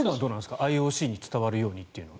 ＩＯＣに伝わるようにというのは。